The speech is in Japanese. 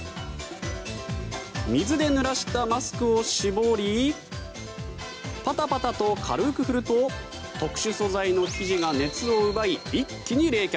水でぬらしたマスクを絞りパタパタと軽く振ると特殊素材の生地が熱を奪い一気に冷却。